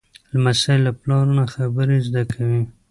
لمسی له پلار نه خبرې زده کوي.